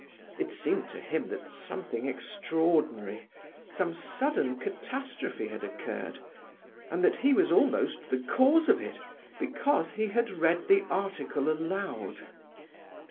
It seemed to him that something extraordinary, some sudden catastrophe had occurred, and that he was almost the cause of it, because he had read the article aloud.